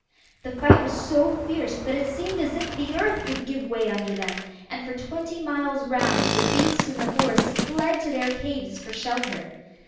The fight was so fierce that it seemed as if the earth would give way under them, and for twenty miles round the beasts in the forests fled to their caves for shelter.